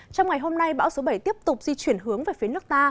trong ngày hôm nay bão số bảy tiếp tục di chuyển hướng về phía nước ta